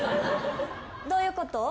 どういうこと？